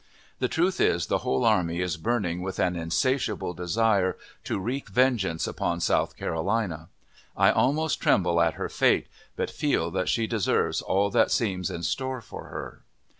The truth is, the whole army is burning with an insatiable desire to wreak vengeance upon South Carolina. I almost tremble at her fate, but feel that she deserves all that seems in store for her.